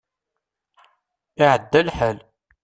Iɛedda lḥal.